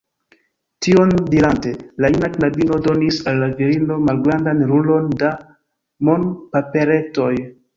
Tion dirante, la juna knabino donis al la virino malgrandan rulon da monpaperetoj.